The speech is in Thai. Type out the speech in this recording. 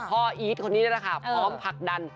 พ่ออีทคนนี้นะคะพร้อมผลักดัน